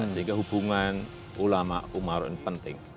sehingga hubungan ulama umar ini penting